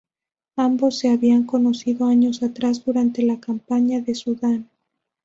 Ambos se habían conocido años atrás durante la campaña de Sudán.